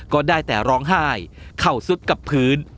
ก็ได้แต่ร้องไห้เข่าสุดกับพื้น